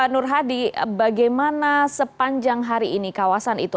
nur hadi bagaimana sepanjang hari ini kawasan itu